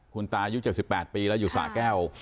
คุณตายุดจาก๑๘ปีและอยู่สาแก้ว